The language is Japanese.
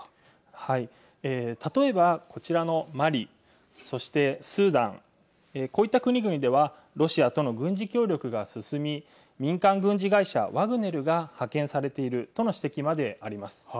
例えばこちらのマリそして、スーダンこういった国々ではロシアとの軍事協力が進み民間軍事会社ワグネルが派遣されているとの指摘まであります。